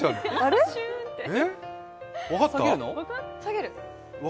下げるの？